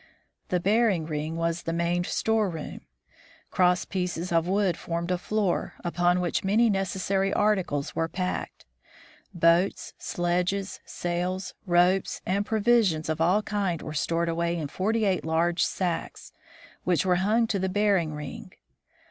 The bearing ring was the main storeroom. Crosspieces of wood formed a floor, upon which many necessary arti cles were packed. Boats, sledges, sails, ropes, and provi sions of all kinds were stored away in forty eight large sacks, which were hung to the bearing ring.